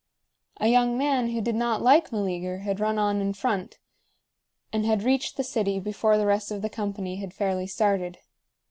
A young man who did not like Meleager, had run on in front and had reached the city before the rest of the company had fairly started.